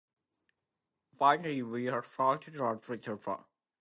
Finally Wu Fang agrees to become Mingliang's girlfriend.